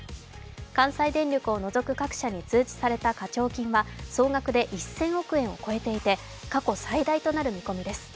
関西電力を除く各社に通知された課徴金は総額で１０００億円を超えていて過去最大となる見込みです。